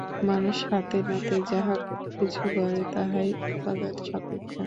মানুষ হাতে-নাতে যাহা কিছু গড়ে, তাহাই উপাদান-সাপেক্ষ।